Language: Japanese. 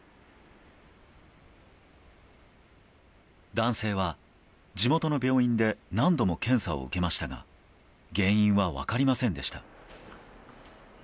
男性は地元の病院で何度も検査を受けましたが原因は分かりませんでした。